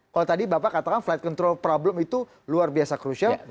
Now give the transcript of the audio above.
kalau tadi bapak katakan flight control problem itu luar biasa krusial